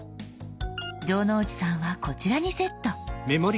城之内さんはこちらにセット。